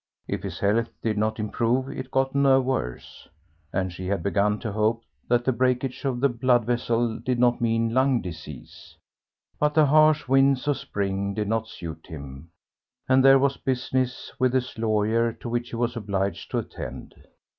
If his health did not improve it got no worse, and she had begun to hope that the breakage of the blood vessel did not mean lung disease. But the harsh winds of spring did not suit him, and there was business with his lawyer to which he was obliged to attend.